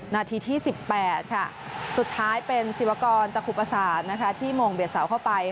นาทีที่๑๘ค่ะสุดท้ายเป็นศิวากรจักคุปศาสตร์ที่โมงเบียดเสาเข้าไป